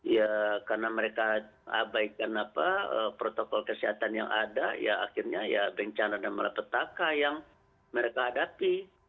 ya karena mereka abaikan protokol kesehatan yang ada ya akhirnya ya bencana dan marapetaka yang mereka hadapi